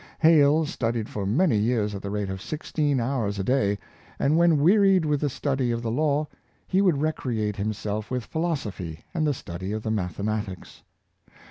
Hale studied for many years at the rate of sixteen hours a day, and when wearied with the stud}'^ of the law, he would recreate himself with philosophy and the study of the mathe matics.